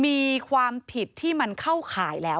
มีความผิดที่มันเข้าข่ายแล้ว